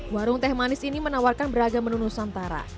warung teh manis ini menawarkan beragam menu nusantara